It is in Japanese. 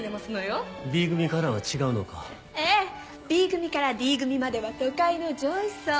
Ｂ組からＤ組までは都会の上位層。